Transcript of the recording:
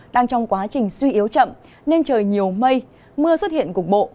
đang trong quá trình suy yếu chậm nên trời nhiều mây mưa xuất hiện cục bộ